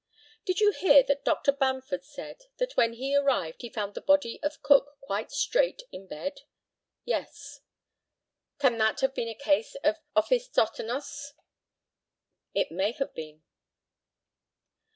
Did you hear that Dr. Bamford said, that when he arrived he found the body of Cook quite straight in bed? Yes. Can that have been a case of ophisthotonos? It may have been.